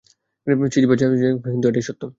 Cheesy বা যাই হোক না কেন, কিন্তু এটাই সত্য।